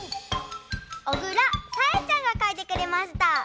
おぐらさえちゃんがかいてくれました。